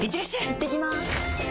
いってきます！